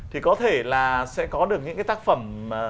thì có thể là sẽ có được những cái tác phẩm